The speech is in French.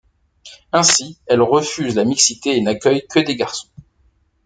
Ainsi elle refuse la mixité et n'accueille que des garçons.